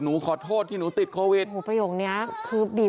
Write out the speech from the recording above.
หนูขอโทษที่ขอโทษที่หนูถี่โควิดประหลาดอยู่นี้คือหว่า